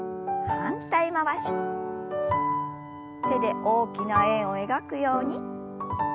手で大きな円を描くように。